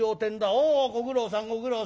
おおご苦労さんご苦労さん。